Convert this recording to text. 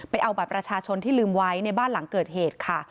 เอาบัตรประชาชนที่ลืมไว้ในบ้านหลังเกิดเหตุค่ะ